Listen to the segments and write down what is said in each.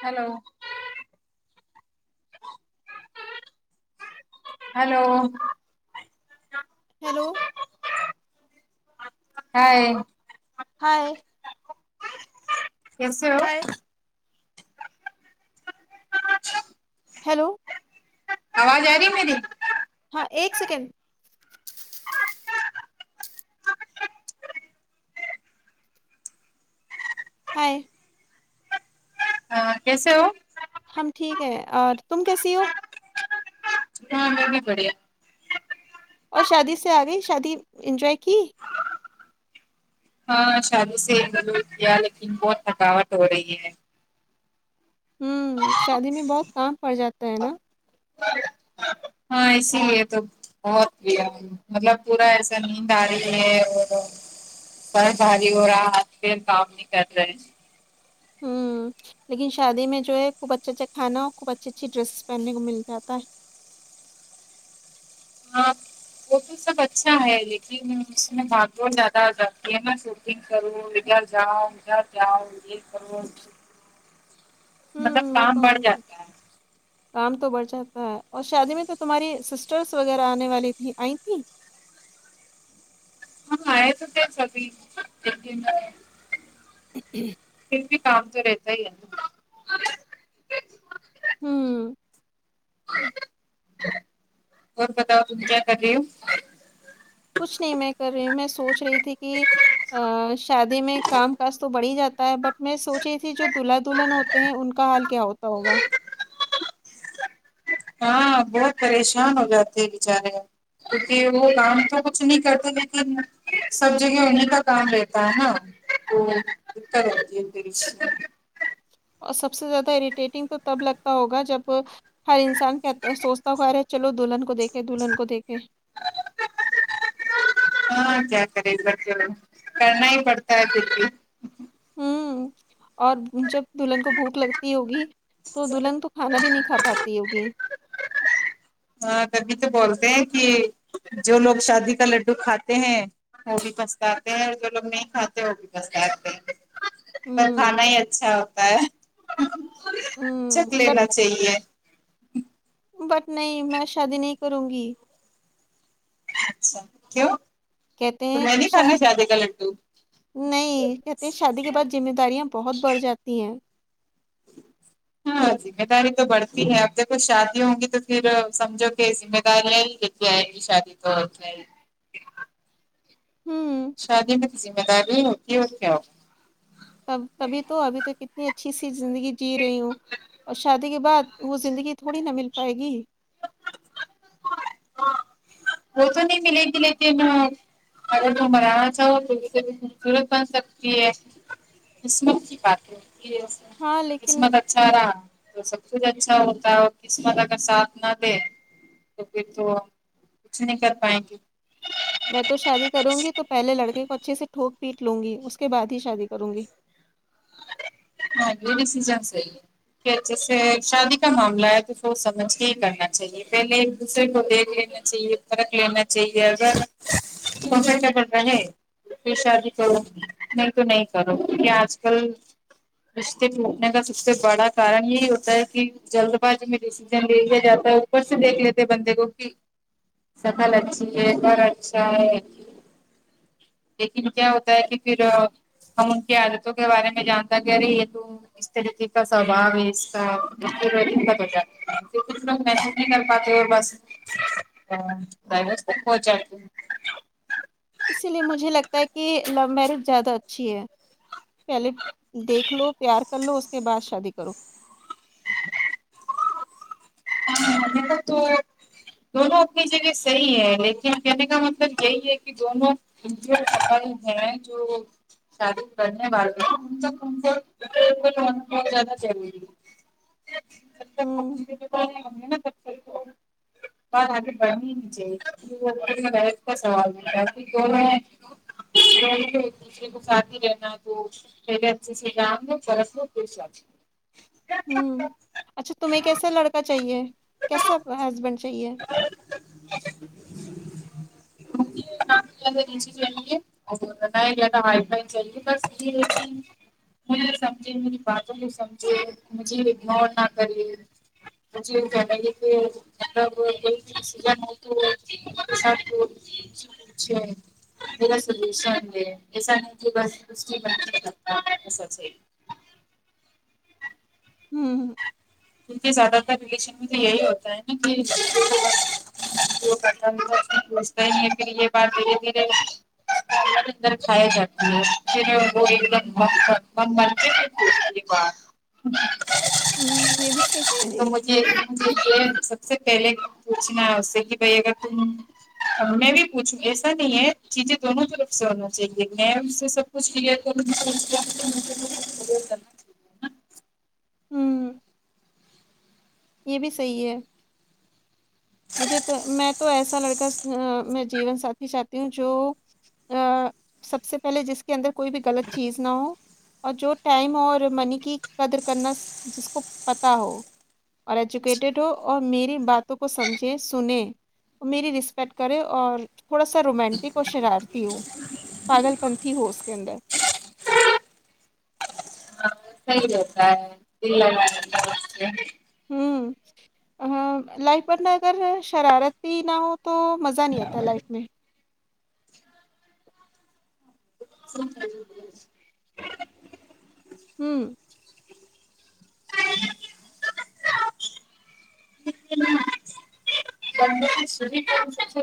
hello hello hello hi hi کیسے ہو hi hello آواز آ رہی ہے میری ہاں ایک سیکنڈ ہائے کیسے ہو ہم ٹھیک ہے اور تم کیسی ہو ہاں میں بھی بڑھیا اور شادی سے آ گئی شادی انجوائے کی ہاں شادی سے ایکلور کیا لیکن بہت تھکاوٹ ہو رہی ہے ہوں شادی میں بہت کام پڑ جاتا ہے نا ہاں اسی لیےتو بہت بھی مطلب پورا ایسا نیند آ رہی ہے اور سر بھاری ہو رہا ہے آج ہاتھ پیرکام نہیں کر رہے ہوں لیکن شادی میں جو ہے خوب اچھا اچھا کھانا خوب اچھی اچھی ڈریس پہننے کو مل جاتا ہے ہاں وہ یہ سب اچھا ہے لیکن اس میں بھاگ دوڑ زیادہ ہو جاتی ہے نا شوٹنگ کروں ادھر جاؤں ادھر جاؤ یہ کرو مطلب ہوں کام ہوتا ہی بڑھ رہتا ہے جاتا [inaudible] کام تو بڑھ جاتا ہے اور شادی میں تو تمہاری سسٹرس وغیرہ آنے والی تھیں آئی تھیں ہم آے تو تھےسبھی [unintelligible] پھر بھی کام تو رہتا ہی ہے نا ہمم اور بتاؤ تم کیا کر رہی ہو کچھ نہیں میں کر رہی ہو میں سوچ رہی تھی کہ ہاں شادی میں کام کاج تو بڑھ ہی جاتا ہے بٹ میں سوچ رہی تھی جو دلہا دلہن ہوتے ہیں ان کا حال کیا ہوتا ہوگا ہاں بہت پریشان ہو جاتے ہیں بچارے کیونکہ وہ کام تو کچھ نہیں کرتے لیکن سب جگہ انہیں کا کام رہتا ہے نا ہاں اتتا [unintelligible] سب سے زیادہ اریٹیٹنگ تو تب لگتا ہوگا جب ہر انسان کہتا سونچتا تو کہہ رہے چلو دلہن کو دیکھے دلہن کو دیکھے [unintelligible] ہاں کیا کریں [unintelligible] کرنا ہی پڑتا ہے پھر بھی ہوں اور جب دلہن کو بھوک لگتی ہوگی تو دلہن تو کھانا بھی نہیں کھا پاتی ہوگی ہاں تبھی تو بولتے ہیں کہ جو لوگ شادی کا لڈو کھاتے ہیں وہ بھی پچتاتے ہیں جو لوگ نہیں کھاتے وہ بھی پچتاتے ہیں پر ہوں کھانا ہی اچھا ہوتا ہے چک ہوں بٹ لینا چاہیے بٹ نہیں میں شادی نہیں کروں گی اچھا کیوں کہتے ہیں تمہیں کہ نہیں شا کھانا شادی کا لڈو نہیں کھتے ہیں شادی کے بعد ذمہ داریاں بہت بڑھ جاتی ہیں ہاں ذمہ داری تو بڑھتی ہے اب دیکھو شادی ہوں گی تو پھر سمجھو کہ ذمہ داریاں [unintelligible] ہوں شادی بھی تو ذمہ داری ہی ہوتی اور کیا تب تبھی تو ابھی تو کتنی اچھی سی زندگی جی رہی ہوں اور شادی کے بعد وہ زندگی تھوڑی نا مل پائے گی وہ تو نہیں ملے گی لیکن ا [unintelligible] قسمت کی [unintelligible] ہاں لیکن قسمت اچھا رہا تو سب کچھ اچھا ہوتا ہے اور قسمت اگر ساتھ نہ دے تو پھر تو کچھ نہیں کر پائیں گے میں تو شادی کروں گی تو پہلے لڑکے کو اچھے سے ٹھوک پیٹ لوں گی اس کے بعد ہی شادی کروں گی [unintelligible] کہ اچھے سے شادی کا معاملہ ہے تو سوچ سمجھ کے ہی کرنا چاہیے پہلے ایک دوسرے کو دیکھ لینا چاہیے پرک لینا چاہیے اگر پسا کیا کر رہ ہے شادی کروں گی نہیں تو نہیں کرو یہ آج کل رشتے پٹنے کا سب سے بڑا کارن یہی ہوتا ہے کہ جلد باز میں ڈیسیزن لے لیا جاتا ہے اپر سے دیکھ لیتے بندے کو کہ سکل اچھی ہے گھر اچھا ہے لیکن کیا ہوتا ہے کہ پھر ہم ان کے کے بارے میں جانتا کہ ارے یہ تو [unintelligible] نہیں کر پاتے ہو بس دوورسے جاتی ہے اسی لیے مجھے لگتا ہے کہ لوو میرج زیادہ اچھی ہے پہلے دیکھ لو پیار کر لو اس کے بعد شادی کرو ابھی تک تو دونوں اپنی جگہ صحیح ہے لیکن کہنے کا مطلب یہی ہے کہ دونوں ان کے [unintelligible] کل ہے جو شادی کرنے والے کمفرٹ [unintelligible] بہت زیادہ ضروری ہے جب ہمم [unintelligible] [unintelligible] دوسرے کو ساتھ ہی رہنا تو [unintelligible] ہوں اچھا تمہیں کیسا لڑکا چاہیے کیسا ہسبینڈ چاہیے [unintelligible] نہ زیادہ نیچے چاہیے ناہی زیادہ وئی فئی چاہیے بس مجھے سمجھے میری باتوں کو سمجھے مجھے اگنور نہ کرے م [unintelligible] جی [unintelligible] کیا پہ پ مطلب [unintelligible] س تو [unintelligible] ج سشن ہےسا نہیں [unintelligible] ب کرکتا ہمم کیونکہ زیادہ تر ریلیشن میں تو یہی ہوتا ہے نا کہ وہ پتا پوچتا ہی ہے پھر یہ بات دھیرے دھیرے اندر ہی اندر کھے جاتی ہے پھر وہ [unintelligible] ہمم ہوں یہ بھی سہی کہ رہے ہو یہ سب سے پہلے پوچھنا ہے اس سے کہ بھائی اگر تم میں بھی پوچھوں ایسا نہیں ہے چیزیں دونوں طرف سے ہونا چاہیے میں اس سے سب کچھ کلیر کرونگی [unintelligible] ہوں یہ بھی صحیح ہے مجھے تو میں تو ایسا لڑکا میں جیون ساتھی چاہتی ہوں جو ا سب سے پہلے جس کے اندر کوئی بھی غلط چیز نہ ہو اور جو ٹائم اور منی کی قدر کرنا سی جس کو پتہ ہو اور ایجوکیٹیڈ ہو اور میری باتوں کو سمجھ سنے میری رسپیکٹ کرے اور تھوڑا سا رومانٹک اور شرارتی ہوں پاگل پنتھی ہو اس کے اندر سہی لگتا ہے دل لگا رہتا ہے ہ لائف پارٹنر اگر شرارتی نہ ہو تو مزہ نہیں آتا لائف میں سے ہوں چ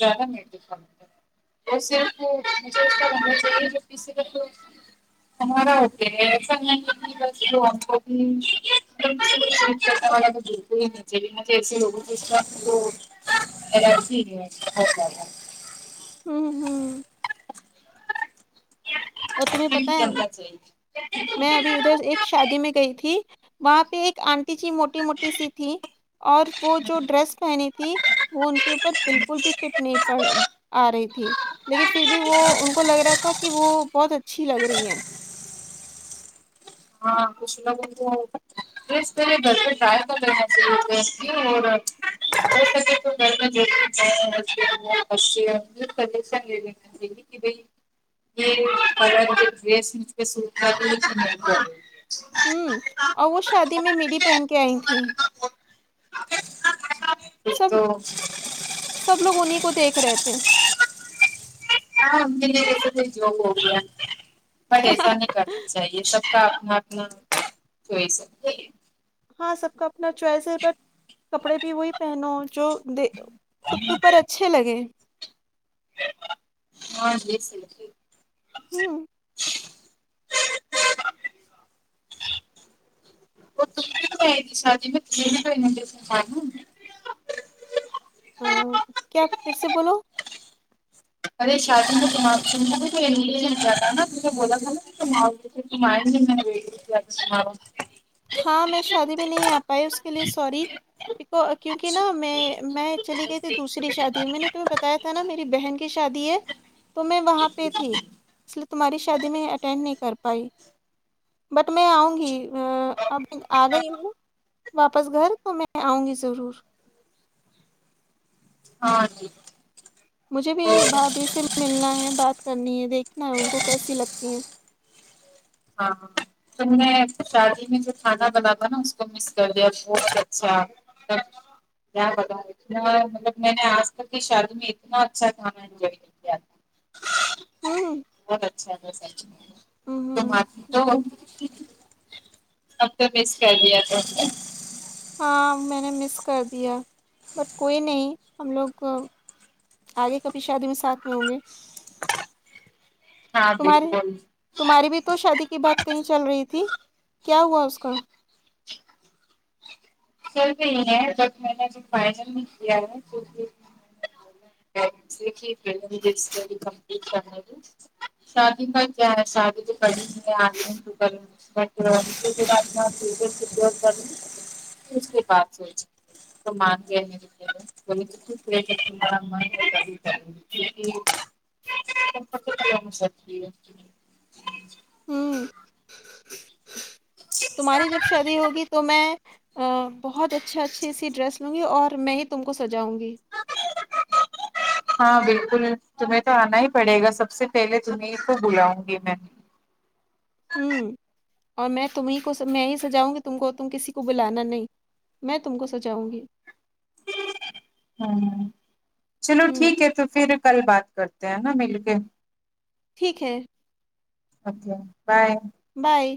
گرم ہےٹ ک [unintelligible] [unintelligible] [unintelligible] [unintelligible] [unintelligible] ہوں ہوں اور تمہیں پتا ہے کرنا چاہیے میں ابھی ادھر ایک شادی میں گئی تھی وہاں پہ ایک آنٹی جی موٹی موٹی سی تھی اور وہ جو ڈریس پہنی تھی وہ ان کے اوپر بالکل بھی فٹ نہیں پڑ آ رہی تھی لیکن پھر بھی وہ ان کو لگ رہا تھا کہ وہ بہت اچھی لگ رہی ہیں [unintelligible] [unintelligible] [unintelligible] [unintelligible] [unintelligible] ہوں اور وہ شادی میں میری پہن کے آئی تھیں کچھ سب تو سب لوگ انہیں کو دیکھ رہےتھے [unintelligible] اچھا یہ سب کا اپنا اپنا چوائیس ہے ہاں سب کا اپنا چوائس ہے بٹ کپڑے بھی وہی پہنو جو خود کے اوپر اچھے لگے ہاں یہ صحیح کہ رہی ہو ہوں [inaudible] [unintelligible] ہوں کیا پھر سے بولو ارے شادی [unintelligible] بولا تھا [unintelligible] ہاں میں شادی میں نہیں آ پائی اس کے لیے سوری کیونکہ نہ میں میں چلی گئی تھی دوسری شادی میں نے تمہیں بتایا تھا نا میری بہن کی شادی ہے تو میں وہاں پہ تھی اس لیے تمہاری شادی میں اٹینڈ نہیں کر پائی بٹ میں آؤں گی اب آ گئی ہوں واپس گھر تو میں آؤں گی ضرور ہاں آجاو مجھے بھی بھابھی سے ملنا ہے بات کرنی ہے دیکھنا ہے ان کو کیسی لگتی ہیں ہاں ہاں تم نے شادی نے جو کھانا بنا تھا نا اس کو مس کر دیا بہت اچھا [unintelligible] اتنا مطلب میں نے آج تک کی شادی میں اتنا اچھا کھانا انجوائے نہیں کیا تھا ہوں بہت اچھا تھا سچ ہوں [inaudible] ہاں میں نے مس کر دیا بٹ کوئی نہیں ہم لوگ آگے کبھی شادی میں ساتھ میں ہوں گے ہاں تمہارے بالکل تمہاری بھی تو شادی کی بات کہیں چل رہی تھی کیا ہوا اس کا چل رہی ہے بٹ میں نے اب فائنل بھی کیا ہے [inaudible] شادی کا کیا ہے شادی تو پڑی ہے آگن کر پھر اس کے بعد سونچیگے [unintelligible] [inaudible] ہوں تمہاری جب شادی ہوگی تو می بہت اچھے اچھے سے ڈریس لونگی اور میں ہی تم کو سجاؤں گی ہاں بالکل تمہیں تو انا ہی پڑے گا سب سے پہلے تمہی کو بلاؤں گی میں ھوں اور میں تمہیں کو میں ہی سجاؤں گی تم کو تم کسی کو بلانا نہیں میں تم کو سجاؤں گی چلو ہوں ٹھیک ہے تو پھر کل بات کرتے ہیں نا مل کے ٹھیک ہے اوکے بائے بائے